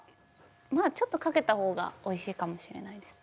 まあちょっとかけた方がおいしいかもしれないです。